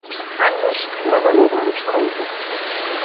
Algo sobre logaritmos, coido.